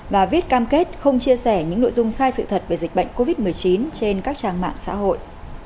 và viết cam kết không chia sẻ những nội dung sai sự thật về dịch bệnh covid một mươi chín trên các trang mạng xã hội